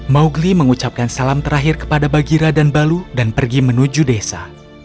mowgli mengucapkan salam terakhir kepada bagira dan balu dan pergi menuju desa